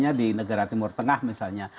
misalnya di negara timur tengah misalnya